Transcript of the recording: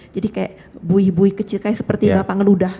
jadi kayak buih buih kecil kayak seperti bapak ngeludah